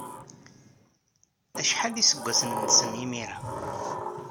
Acḥal iseggasen-nnes imir-a?